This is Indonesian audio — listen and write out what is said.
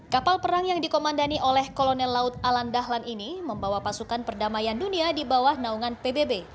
kapal perang yang dikomandani oleh kolonel laut alan dahlan ini membawa pasukan perdamaian dunia di bawah naungan pbb